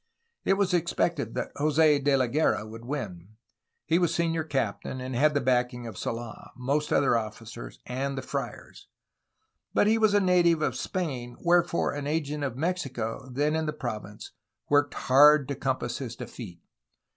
It was expected that Jos6 De la Guerra would win. He was senior captain and tad the backing of Sold, most other officers, and the friars. But he was a native of Spain, where fore an agent of Mexico then in the province worked hard to compass his defeat.